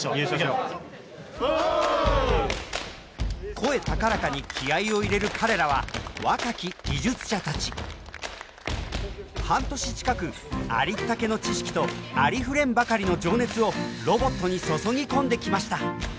声高らかに気合いを入れる彼らは半年近くありったけの知識とあふれんばかりの情熱をロボットに注ぎ込んできました。